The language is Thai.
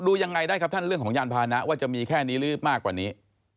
ดูยังไงได้ครับท่านเรื่องของยานพานะว่าจะมีแค่นี้หรือมากกว่านี้